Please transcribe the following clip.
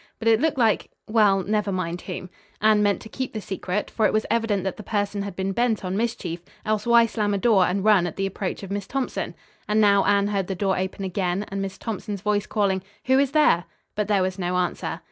But it looked like well, never mind whom. Anne meant to keep the secret, for it was evident that the person had been bent on mischief, else why slam a door and run at the approach of Miss Thompson! And now Anne heard the door open again and Miss Thompson's voice calling: "Who is there?" But there was no answer.